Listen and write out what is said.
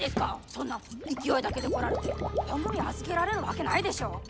そんな勢いだけで来られて番組預けられるわけないでしょう！